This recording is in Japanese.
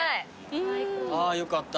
あよかった。